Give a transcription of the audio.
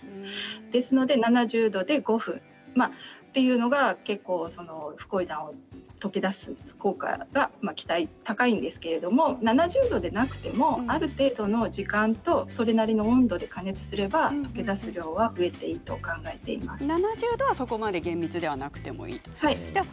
ですので、７０度で５分というのが結構フコイダンが溶け出す効果が期待が高いんですけれども７０度でなくてもある程度の時間とそれなりの温度で加熱すれば溶け出す量は増えていいと７０度はそこまで厳密じゃなくていいんですね。